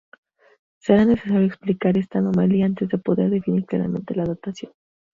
Será necesario explicar esta anomalía antes de poder definir claramente la datación.